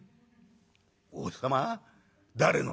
「王様？誰の？」。